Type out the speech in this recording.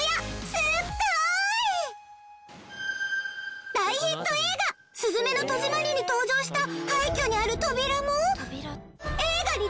すごい！大ヒット映画『すずめの戸締まり』に登場した廃虚にある扉も。